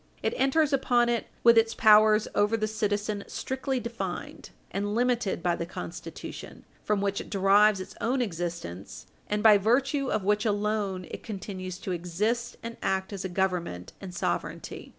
It enters upon it with its powers over the citizen strictly defined, and limited by the Constitution, from which it derives its own existence and by virtue of which alone it continues to exist and act as a Government and sovereignty.